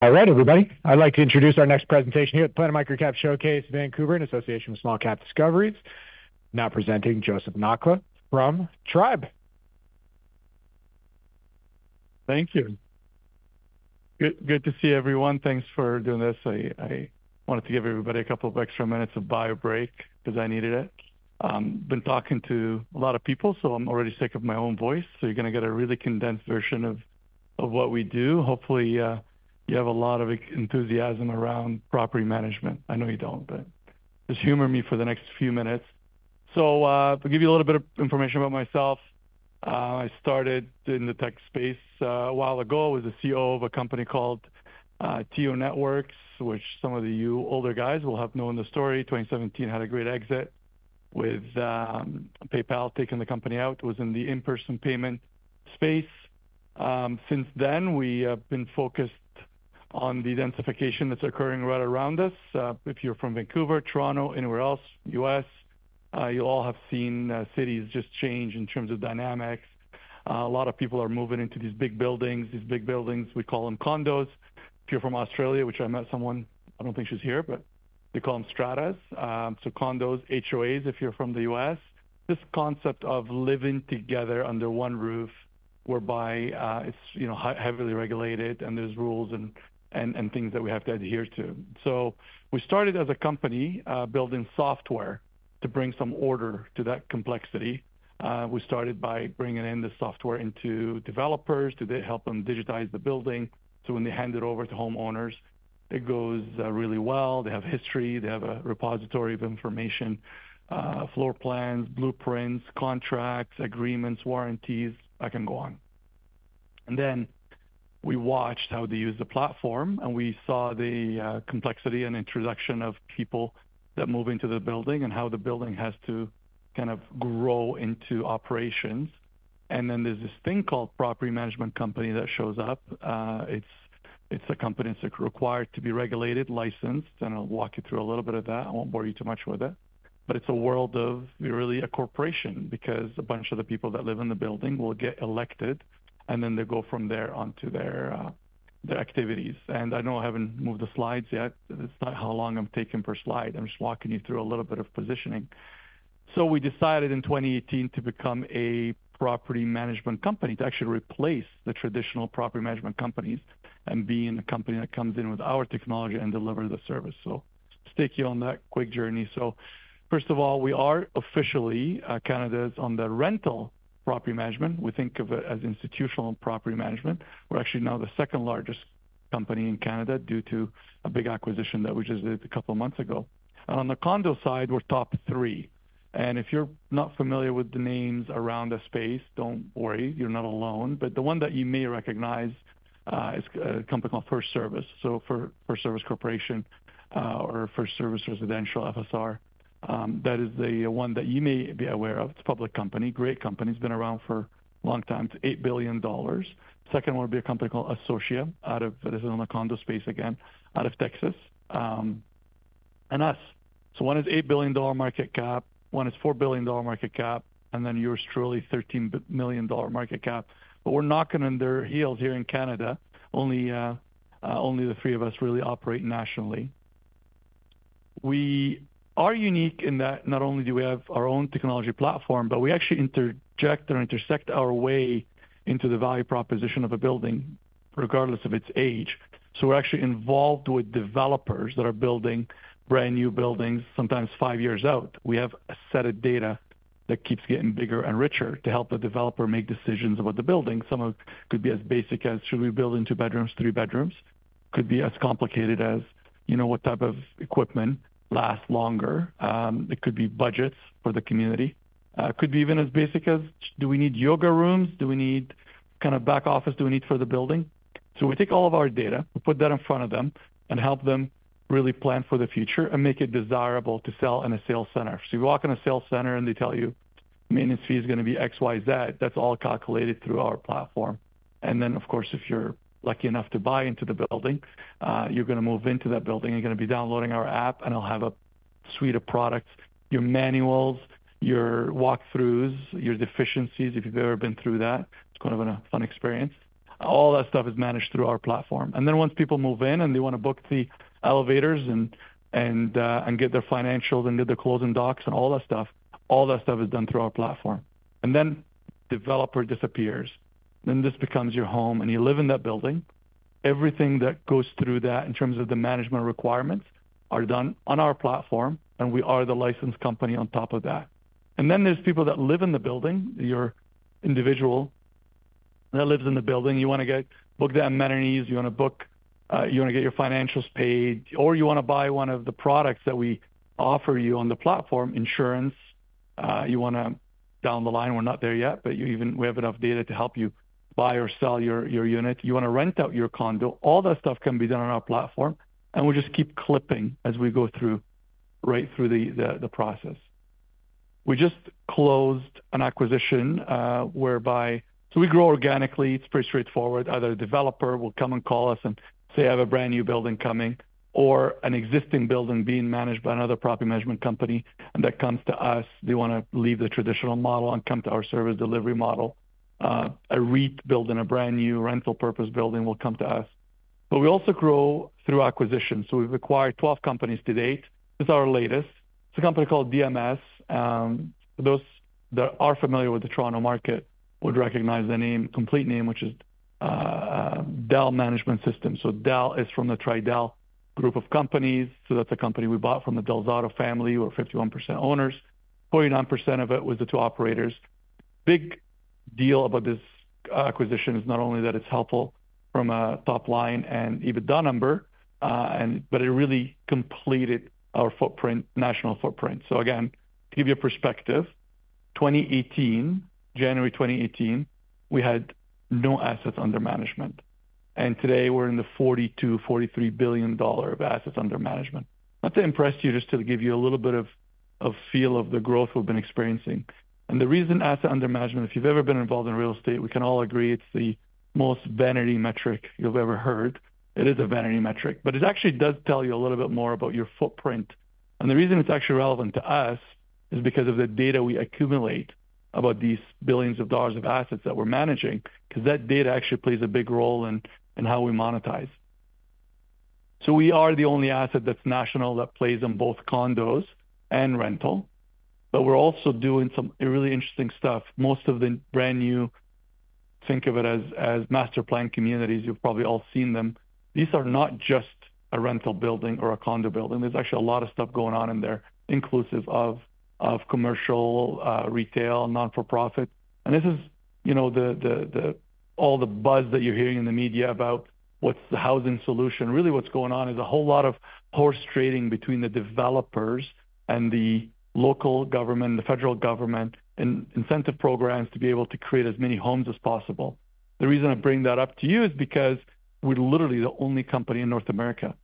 All right, everybody. I'd like to introduce our next presentation here at Planet MicroCap Showcase, Vancouver, in association with Small Cap Discoveries. Now presenting Joseph Nakhla from Tribe. Thank you. Good to see everyone. Thanks for doing this. I wanted to give everybody a couple of extra minutes of bio break because I needed it. Been talking to a lot of people, so I'm already sick of my own voice. So you're gonna get a really condensed version of what we do. Hopefully you have a lot of enthusiasm around property management. I know you don't, but just humor me for the next few minutes. So to give you a little bit of information about myself, I started in the tech space a while ago as a CEO of a company called TIO Networks, which some of you older guys will have known the story. 2017 had a great exit with PayPal taking the company out. It was in the in-person payment space. Since then, we have been focused on the densification that's occurring right around us. If you're from Vancouver, Toronto, anywhere else, U.S., you all have seen, cities just change in terms of dynamics. A lot of people are moving into these big buildings. These big buildings, we call them condos. If you're from Australia, which I met someone, I don't think she's here, but they call them strata. So condos, HOAs, if you're from the U.S., this concept of living together under one roof, whereby, it's, you know, heavily regulated and there's rules and things that we have to adhere to. We started as a company, building software to bring some order to that complexity. We started by bringing in the software into developers, to help them digitize the building, so when they hand it over to homeowners, it goes, really well. They have history, they have a repository of information, floor plans, blueprints, contracts, agreements, warranties. I can go on. And then we watched how they use the platform, and we saw the, complexity and introduction of people that move into the building and how the building has to kind of grow into operations. And then there's this thing called property management company that shows up. It's a company that's required to be regulated, licensed, and I'll walk you through a little bit of that. I won't bore you too much with it, but it's a world of really a corporation, because a bunch of the people that live in the building will get elected, and then they go from there onto their their activities. And I know I haven't moved the slides yet. That's not how long I'm taking per slide. I'm just walking you through a little bit of positioning. So we decided in twenty eighteen to become a property management company, to actually replace the traditional property management companies and being a company that comes in with our technology and deliver the service. So let's take you on that quick journey. So first of all, we are officially, Canada's only rental property management. We think of it as institutional property management. We're actually now the second largest company in Canada due to a big acquisition that we just did a couple of months ago. And on the condo side, we're top three. And if you're not familiar with the names around the space, don't worry, you're not alone. But the one that you may recognize is a company called FirstService. So FirstService Corporation, or FirstService Residential, FSR, that is the one that you may be aware of. It's a public company, great company. It's been around for a long time. It's 8 billion dollars. Second one would be a company called Associa, out of Texas. This is on the condo space again, out of Texas, and us. So one is 8 billion dollar market cap, one is 4 billion dollar market cap, and then yours truly, 13 million dollar market cap. But we're knocking on their heels here in Canada. Only the three of us really operate nationally. We are unique in that not only do we have our own technology platform, but we actually interject or intersect our way into the value proposition of a building, regardless of its age. So we're actually involved with developers that are building brand-new buildings, sometimes five years out. We have a set of data that keeps getting bigger and richer to help the developer make decisions about the building. Some of it could be as basic as: Should we build in two bedrooms, three bedrooms? Could be as complicated as, you know, what type of equipment lasts longer? It could be budgets for the community. It could be even as basic as: Do we need yoga rooms? Do we need kind of back office for the building? So we take all of our data, we put that in front of them and help them really plan for the future and make it desirable to sell in a sales center. So you walk in a sales center, and they tell you maintenance fee is gonna be X, Y, Z. That's all calculated through our platform. And then, of course, if you're lucky enough to buy into the building, you're gonna move into that building. You're gonna be downloading our app, and it'll have a suite of products, your manuals, your walk-throughs, your deficiencies. If you've ever been through that, it's kind of a fun experience. All that stuff is managed through our platform. And then once people move in, and they want to book the elevators and get their financials and get their closing docs and all that stuff, all that stuff is done through our platform. And then developer disappears. Then this becomes your home, and you live in that building. Everything that goes through that in terms of the management requirements are done on our platform, and we are the licensed company on top of that. And then there's people that live in the building, you're an individual that lives in the building. You want to book the amenities, you want to get your financials paid, or you want to buy one of the products that we offer you on the platform, insurance. You wanna down the line, we're not there yet, but even we have enough data to help you buy or sell your unit. You want to rent out your condo. All that stuff can be done on our platform, and we'll just keep clipping as we go through right through the process. We just closed an acquisition whereby we grow organically. It's pretty straightforward. Either the developer will come and call us and say, "I have a brand-new building coming," or an existing building being managed by another property management company, and that comes to us. They want to leave the traditional model and come to our service delivery model. A REIT building, a brand new rental purpose building will come to us. But we also grow through acquisitions, so we've acquired 12 companies to date. This is our latest. It's a company called DMS. Those that are familiar with the Toronto market would recognize the name, complete name, which is Del Management Solutions. So Del is from the Tridel group of companies. So that's a company we bought from the DelZotto family, who are 51% owners. 49% of it was the two operators. Big deal about this acquisition is not only that it's helpful from a top line and EBITDA number, but it really completed our footprint, national footprint. So again, to give you a perspective, twenty eighteen, January twenty eighteen, we had no assets under management, and today we're in the 42-43 billion dollar of assets under management. Not to impress you, just to give you a little bit of feel of the growth we've been experiencing. The reason assets under management, if you've ever been involved in real estate, we can all agree it's the most vanity metric you've ever heard. It is a vanity metric, but it actually does tell you a little bit more about your footprint. The reason it's actually relevant to us is because of the data we accumulate about these billions of dollars of assets that we're managing, because that data actually plays a big role in how we monetize. We are the only asset that's national, that plays in both condos and rental, but we're also doing some really interesting stuff. Most of the brand new, think of it as, as master planned communities. You've probably all seen them. These are not just a rental building or a condo building. There's actually a lot of stuff going on in there, inclusive of commercial, retail, nonprofit. This is, you know, all the buzz that you're hearing in the media about what's the housing solution. Really, what's going on is a whole lot of horse trading between the developers and the local government, the federal government, and incentive programs to be able to create as many homes as possible. The reason I bring that up to you is because we're literally the only company in North America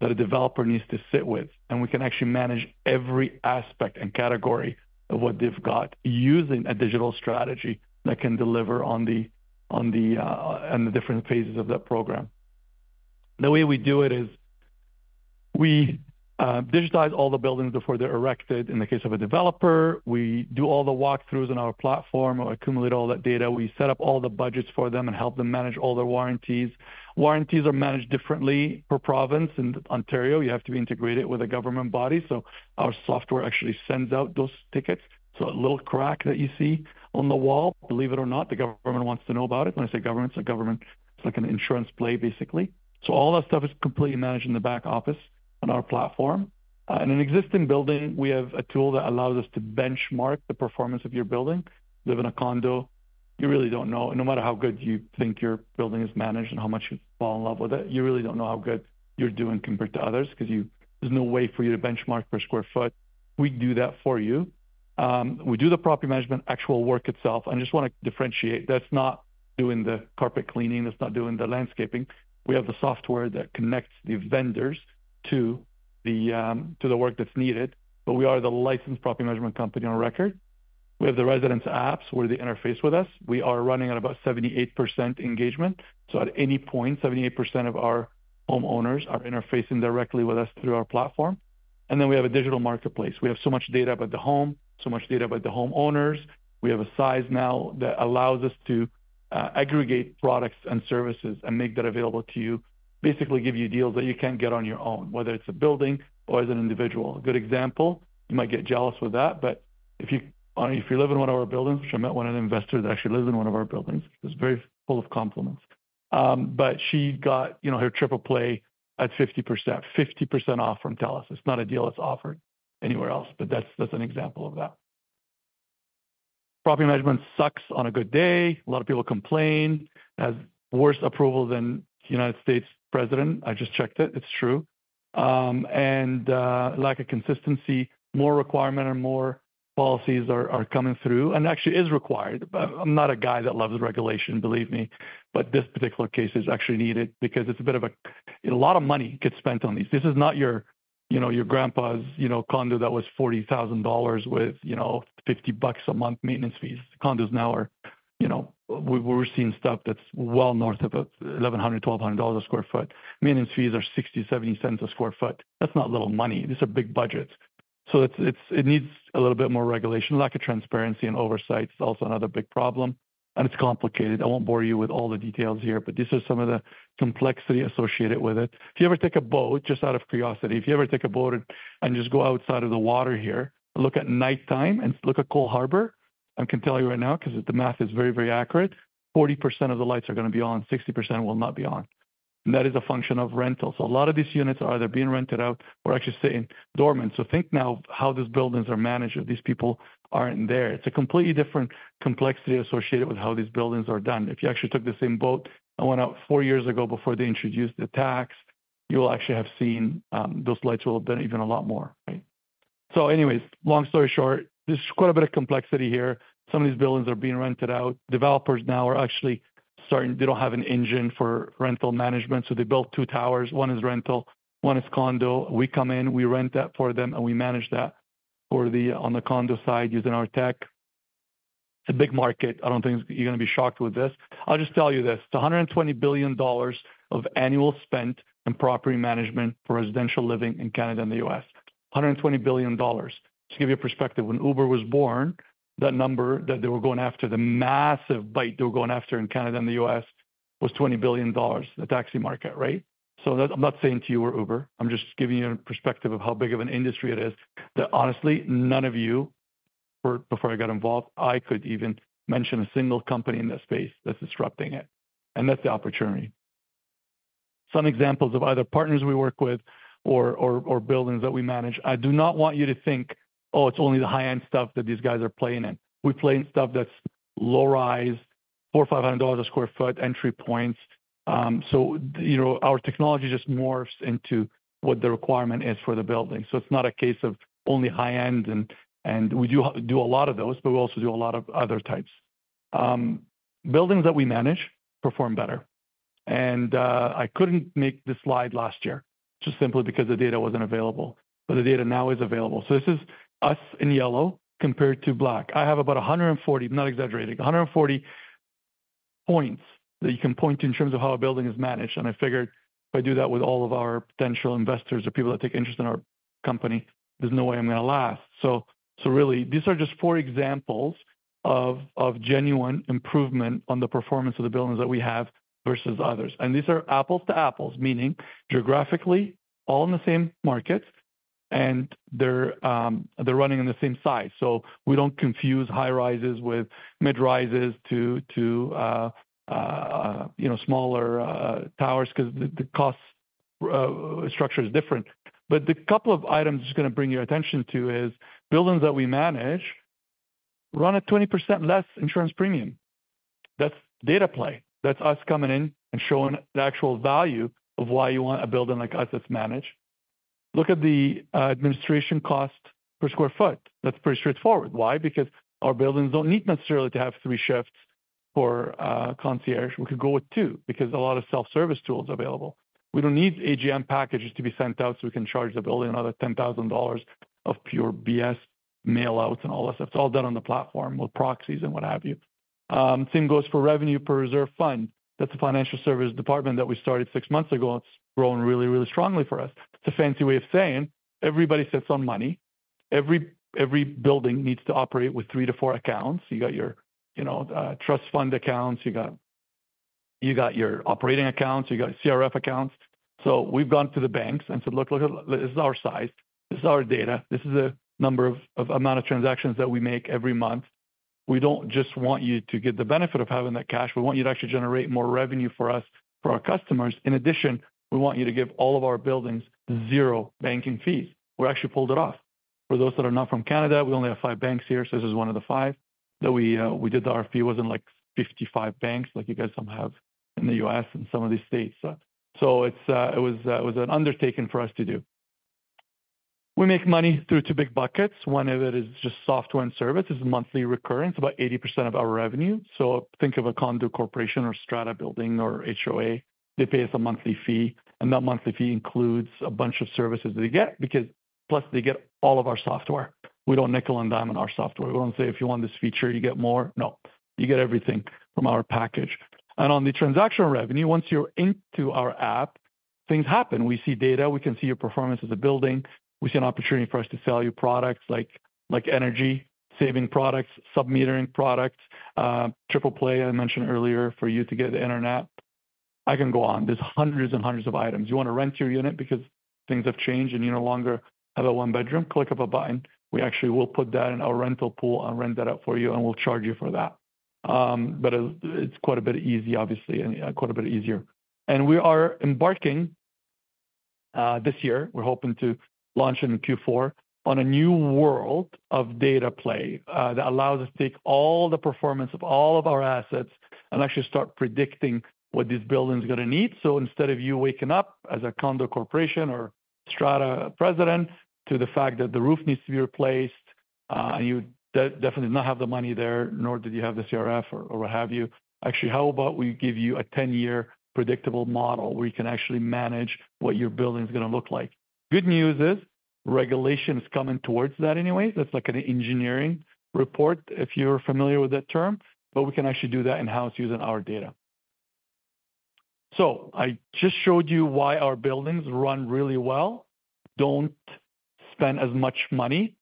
that a developer needs to sit with, and we can actually manage every aspect and category of what they've got, using a digital strategy that can deliver on the different phases of that program. The way we do it is we digitize all the buildings before they're erected. In the case of a developer, we do all the walkthroughs on our platform or accumulate all that data. We set up all the budgets for them and help them manage all their warranties. Warranties are managed differently per province. In Ontario, you have to be integrated with a government body, so our software actually sends out those tickets. So a little crack that you see on the wall, believe it or not, the government wants to know about it. When I say government, it's a government, it's like an insurance play, basically. So all that stuff is completely managed in the back office on our platform. In an existing building, we have a tool that allows us to benchmark the performance of your building. If you live in a condo, you really don't know. No matter how good you think your building is managed and how much you fall in love with it, you really don't know how good you're doing compared to others, because you - there's no way for you to benchmark per square foot. We do that for you. We do the property management, actual work itself, I just want to differentiate. That's not doing the carpet cleaning, that's not doing the landscaping. We have the software that connects the vendors to the, to the work that's needed, but we are the licensed property management company on record. We have the residents' apps, where they interface with us. We are running at about 78% engagement. So at any point, 78% of our homeowners are interfacing directly with us through our platform. And then we have a digital marketplace. We have so much data about the home, so much data about the homeowners. We have a size now that allows us to aggregate products and services and make that available to you. Basically, give you deals that you can't get on your own, whether it's a building or as an individual. A good example, you might get jealous with that, but if you live in one of our buildings, which I met one of the investors that actually lives in one of our buildings, it was very full of compliments. But she got, you know, her Triple Play at 50%. 50% off from Telus. It's not a deal that's offered anywhere else, but that's an example of that. Property management sucks on a good day. A lot of people complain. It has worse approval than U.S. President. I just checked it. It's true. Lack of consistency, more requirement and more policies are coming through and actually is required. But I'm not a guy that loves regulation, believe me, but this particular case is actually needed because a lot of money gets spent on these. This is not your, you know, your grandpa's, you know, condo that was 40,000 dollars with, you know, 50 bucks a month maintenance fees. Condos now are, you know, we're seeing stuff that's well north of 1,100-1,200 dollars a sq ft. Maintenance fees are 60-70 cents a sq ft. That's not little money. These are big budgets, so it needs a little bit more regulation. Lack of transparency and oversight is also another big problem, and it's complicated. I won't bore you with all the details here, but these are some of the complexity associated with it. If you ever take a boat, just out of curiosity, if you ever take a boat and just go outside of the water here, look at nighttime and look at Coal Harbour, I can tell you right now, because the math is very, very accurate, 40% of the lights are going to be on, 60% will not be on, and that is a function of rental. So a lot of these units are either being rented out or actually sitting dormant. So think now how these buildings are managed if these people aren't there. It's a completely different complexity associated with how these buildings are done. If you actually took the same boat and went out four years ago before they introduced the tax, you will actually have seen, those lights will have been even a lot more, right? So anyways, long story short, there's quite a bit of complexity here. Some of these buildings are being rented out. Developers now are actually starting. They don't have an engine for rental management, so they built two towers. One is rental, one is condo. We come in, we rent that for them, and we manage that for them on the condo side, using our tech. It's a big market. I don't think you're going to be shocked with this. I'll just tell you this. It's 120 billion dollars of annual spent in property management for residential living in Canada and the U.S.. 120 billion dollars. To give you a perspective, when Uber was born, that number that they were going after, the massive bite they were going after in Canada and the U.S., was 20 billion dollars, the taxi market, right? So I'm not saying to you we're Uber. I'm just giving you a perspective of how big of an industry it is, that honestly, none of you, before I got involved, I could even mention a single company in that space that's disrupting it, and that's the opportunity. Some examples of either partners we work with or buildings that we manage. I do not want you to think, oh, it's only the high-end stuff that these guys are playing in. We play in stuff that's low rise, 400-500 dollars a sq ft entry points. So, you know, our technology just morphs into what the requirement is for the building. It's not a case of only high-end and we do a lot of those, but we also do a lot of other types. Buildings that we manage perform better. And I couldn't make this slide last year, just simply because the data wasn't available, but the data now is available. So this is us in yellow compared to black. I have about a hundred and forty, I'm not exaggerating, a hundred and forty points that you can point to in terms of how a building is managed. And I figured if I do that with all of our potential investors or people that take interest in our company, there's no way I'm going to last. So really, these are just four examples of genuine improvement on the performance of the buildings that we have versus others. And these are apples to apples, meaning geographically, all in the same markets, and they're running on the same size. So we don't confuse high rises with mid rises to smaller towers because the cost structure is different. But the couple of items just gonna bring your attention to is, buildings that we manage run at 20% less insurance premium. That's data play. That's us coming in and showing the actual value of why you want a building like us that's managed. Look at the administration cost per sq ft. That's pretty straightforward. Why? Because our buildings don't need necessarily to have three shifts for concierge. We could go with two, because a lot of self-service tools available. We don't need AGM packages to be sent out, so we can charge the building another 10,000 dollars of pure BS, mail outs and all that stuff. It's all done on the platform with proxies and what have you. Same goes for revenue per reserve fund. That's a financial service department that we started six months ago, and it's growing really, really strongly for us. It's a fancy way of saying everybody sits on money. Every building needs to operate with three to four accounts. You got your, you know, trust fund accounts, you got your operating accounts, you got your CRF accounts. So we've gone to the banks and said, "Look, look, this is our size, this is our data, this is a number of amount of transactions that we make every month. We don't just want you to get the benefit of having that cash. We want you to actually generate more revenue for us, for our customers. In addition, we want you to give all of our buildings zero banking fees." We actually pulled it off. For those that are not from Canada, we only have five banks here, so this is one of the five that we, we did the RFP was in like 55 banks, like you guys some have in the U.S. and some of these states. So it's, it was an undertaking for us to do. We make money through two big buckets. One of it is just software and service. It's a monthly recurrence, about 80% of our revenue. So think of a condo corporation or strata building or HOA. They pay us a monthly fee, and that monthly fee includes a bunch of services they get, because plus, they get all of our software. We don't nickel and dime on our software. We don't say, "If you want this feature, you get more." No, you get everything from our package. And on the transactional revenue, once you're into our app, things happen. We see data, we can see your performance as a building. We see an opportunity for us to sell you products like energy saving products, sub-metering products, triple play, I mentioned earlier, for you to get internet. I can go on. There's hundreds and hundreds of items. You want to rent your unit because things have changed and you no longer have a one bedroom? Click of a button. We actually will put that in our rental pool and rent that out for you, and we'll charge you for that, but it's quite a bit easy, obviously, quite a bit easier, and we are embarking this year, we're hoping to launch in Q4 on a new world of data play that allows us to take all the performance of all of our assets and actually start predicting what this building is going to need, so instead of you waking up as a condo corporation or strata president to the fact that the roof needs to be replaced and you definitely not have the money there, nor did you have the CRF or what have you. Actually, how about we give you a ten-year predictable model, where you can actually manage what your building is going to look like? Good news is, regulation is coming towards that anyway. That's like an engineering report, if you're familiar with that term, but we can actually do that in-house using our data. So I just showed you why our buildings run really well, don't spend as much money,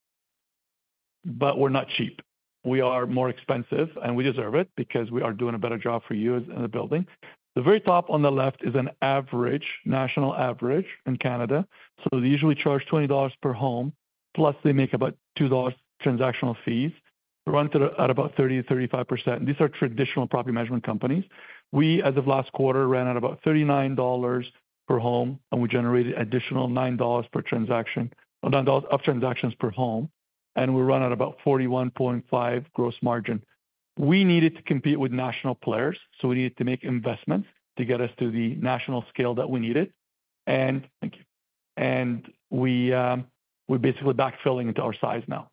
but we're not cheap. We are more expensive, and we deserve it because we are doing a better job for you in the buildings. The very top on the left is an average, national average in Canada, so they usually charge 20 dollars per home, plus they make about 2 dollars transactional fees, run at about 30%-35%. These are traditional property management companies. We, as of last quarter, ran at about 39 dollars per home, and we generated additional 9 dollars per transaction, 9 dollars of transactions per home, and we run at about 41.5% gross margin. We needed to compete with national players, so we needed to make investments to get us to the national scale that we needed. And thank you. And we're basically backfilling into our size now.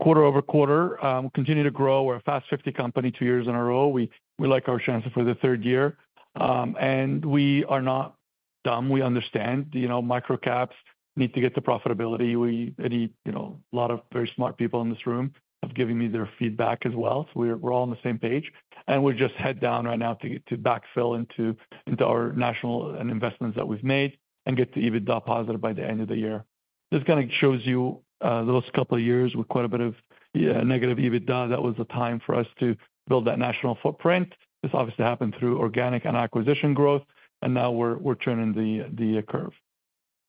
Quarter over quarter, we continue to grow. We're a First 50 company, two years in a row. We like our chances for the third year. And we are not dumb. We understand, you know, micro caps need to get to profitability. We need. You know, a lot of very smart people in this room have given me their feedback as well, so we're all on the same page. And we're just head down right now to backfill into our national investments that we've made and get to EBITDA positive by the end of the year. This kind of shows you those couple of years with quite a bit of negative EBITDA. That was the time for us to build that national footprint. This obviously happened through organic and acquisition growth, and now we're turning the curve.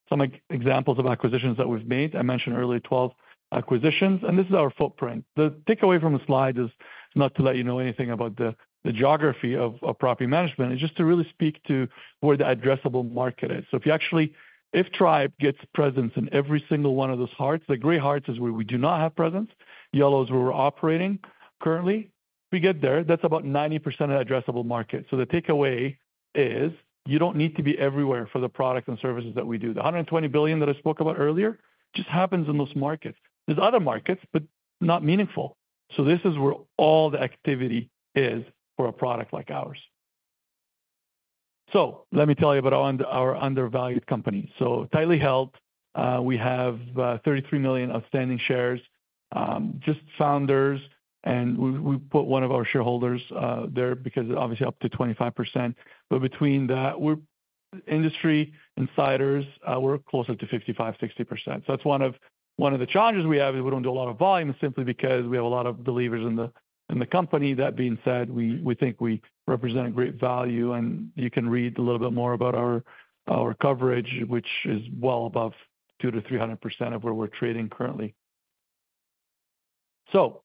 Some examples of acquisitions that we've made. I mentioned earlier, 12 acquisitions, and this is our footprint. The takeaway from the slide is not to let you know anything about the geography of property management. It's just to really speak to where the addressable market is. So if you actually-- If Tribe gets presence in every single one of those hearts, the gray hearts is where we do not have presence. Yellow is where we're operating currently. If we get there, that's about 90% of the addressable market. So the takeaway is you don't need to be everywhere for the products and services that we do. The $120 billion that I spoke about earlier just happens in those markets. There's other markets, but not meaningful. So this is where all the activity is for a product like ours. So let me tell you about our undervalued company. So tightly held, we have 33 million outstanding shares, just founders, and we put one of our shareholders there because obviously up to 25%, but between that, we're industry insiders, we're closer to 55%-60%. So that's one of the challenges we have is we don't do a lot of volume, simply because we have a lot of believers in the company. That being said, we think we represent great value, and you can read a little bit more about our coverage, which is well above 200%-300% of where we're trading currently. So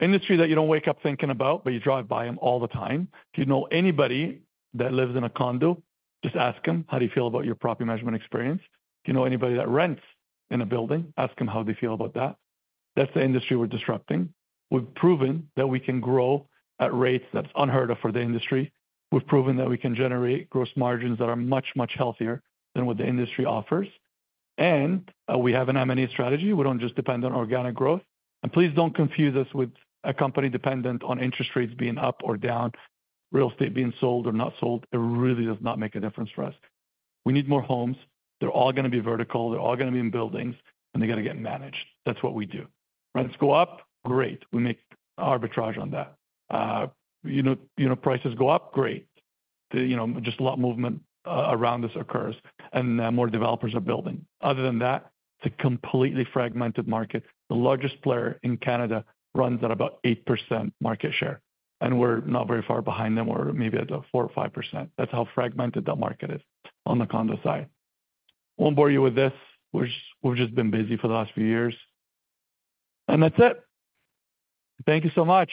industry that you don't wake up thinking about, but you drive by them all the time. If you know anybody that lives in a condo, just ask them: How do you feel about your property management experience? Do you know anybody that rents in a building? Ask them how they feel about that. That's the industry we're disrupting. We've proven that we can grow at rates that's unheard of for the industry. We've proven that we can generate gross margins that are much, much healthier than what the industry offers. And we have an M&A strategy. We don't just depend on organic growth. Please don't confuse us with a company dependent on interest rates being up or down, real estate being sold or not sold. It really does not make a difference for us. We need more homes. They're all gonna be vertical, they're all gonna be in buildings, and they gotta get managed. That's what we do. Rents go up, great. We make arbitrage on that. You know, prices go up, great. You know, just a lot of movement around this occurs and more developers are building. Other than that, it's a completely fragmented market. The largest player in Canada runs at about 8% market share, and we're not very far behind them. We're maybe at a 4% or 5%. That's how fragmented that market is on the condo side. Won't bore you with this. We've just been busy for the last few years, and that's it. Thank you so much.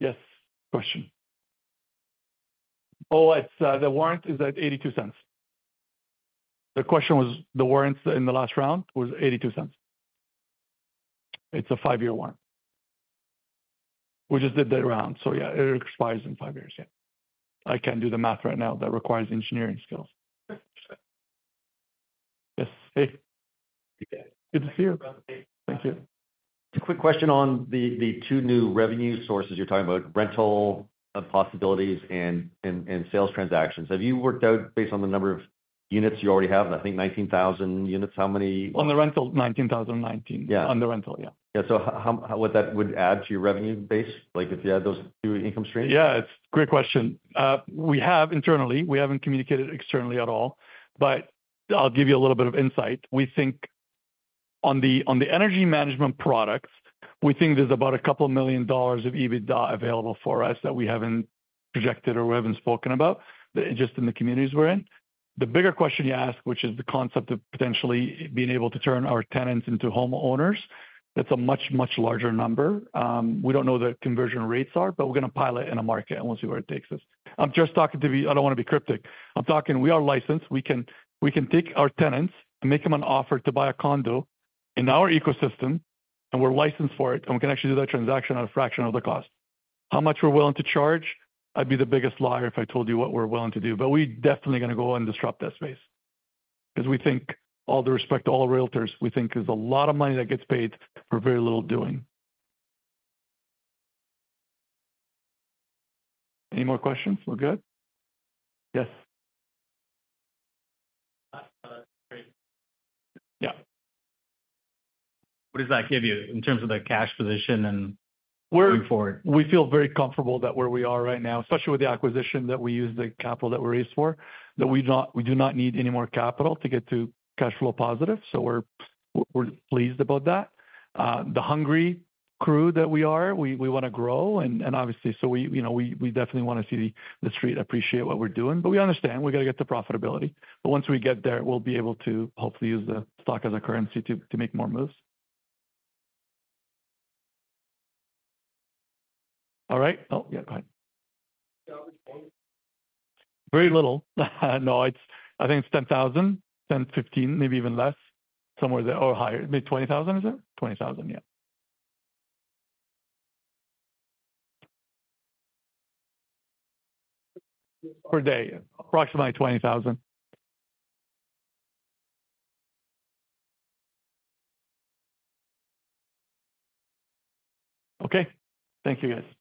Yes, question? Oh, it's the warrant is at 0.82. The question was the warrants in the last round was 0.82. It's a five-year warrant. We just did that round, so yeah, it expires in five years. Yeah. I can't do the math right now. That requires engineering skills. Yes, hey. Good to see you. Thank you. A quick question on the two new revenue sources you're talking about, rental possibilities and sales transactions. Have you worked out based on the number of units you already have? I think nineteen thousand units. How many- On the rental, 19,019. Yeah. On the rental, yeah. Yeah. So what that would add to your revenue base, like, if you add those two income streams? Yeah, it's a great question. We have internally, we haven't communicated externally at all, but I'll give you a little bit of insight. We think on the energy management products, we think there's about 2 million dollars of EBITDA available for us that we haven't projected or we haven't spoken about, just in the communities we're in. The bigger question you ask, which is the concept of potentially being able to turn our tenants into homeowners, that's a much, much larger number. We don't know the conversion rates are, but we're gonna pilot in a market, and we'll see where it takes us. I'm just talking to be. I don't want to be cryptic. I'm talking, we are licensed. We can, we can take our tenants and make them an offer to buy a condo in our ecosystem, and we're licensed for it, and we can actually do that transaction at a fraction of the cost. How much we're willing to charge? I'd be the biggest liar if I told you what we're willing to do, but we're definitely gonna go and disrupt that space. Because we think, all due respect to all realtors, we think there's a lot of money that gets paid for very little doing. Any more questions? We're good? Yes. Yeah. What does that give you in terms of the cash position and- We're- Going forward. We feel very comfortable that where we are right now, especially with the acquisition that we use, the capital that we raised for, that we do not need any more capital to get to cash flow positive. So we're pleased about that. The hungry crew that we are, we wanna grow and obviously, so we you know we definitely wanna see the street appreciate what we're doing, but we understand we've got to get to profitability. But once we get there, we'll be able to hopefully use the stock as a currency to make more moves. All right. Oh, yeah, go ahead.... Very little. No, it's. I think it's 10,000, 10, 15, maybe even less, somewhere there or higher. Maybe 20,000, is it? 20,000, yeah. Per day, approximately 20,000. Okay. Thank you, guys.